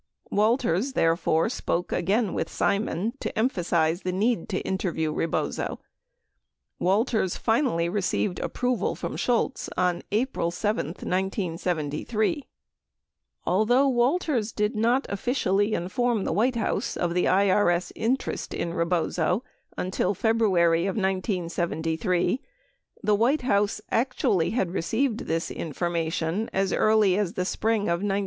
Walters, therefore, spoke again with Simon to emphasize the need to interview Rebozo. Walters finally received approval from Shultz on April 7, 1973. 2 03 04 * 06 07 08 Although Walters did not officially inform the White House of the IRS interest in Rebozo until February of 1973, the White House actually had received this information as early as the spring of 1972.